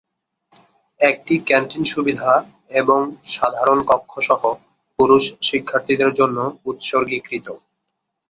একটি ক্যান্টিন সুবিধা এবং সাধারণ কক্ষ সহ পুরুষ শিক্ষার্থীদের জন্য উত্সর্গীকৃত।